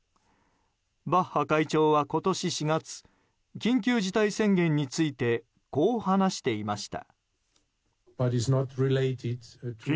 バッハ会長は今年４月緊急事態宣言についてこう話していました。